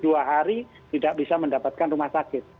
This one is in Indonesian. dua hari tidak bisa mendapatkan rumah sakit